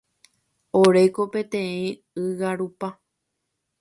Oreko peteĩ ygarupa.